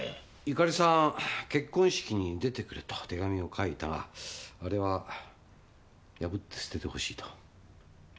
由加利さん「結婚式に出てくれと手紙を書いたがあれは破って捨ててほしい」と。